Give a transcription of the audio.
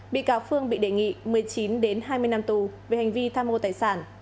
bị cáo phương bị đề nghị một mươi chín hai mươi năm tù về hành vi tham mô tài sản